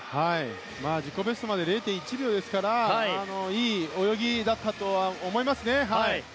自己ベストまで０．１秒ですからいい泳ぎだったとは思いますね。